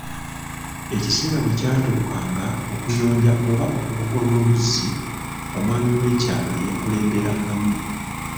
Ekiseera bwe kyatuukanga okuyonja oba okugogola oluzzi, omwami w'ekyalo ye yakulemberangamu.